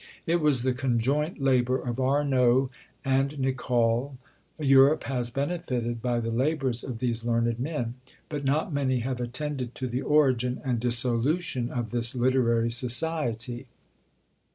It was the conjoint labour of Arnauld and Nicolle. Europe has benefited by the labours of these learned men: but not many have attended to the origin and dissolution of this literary society.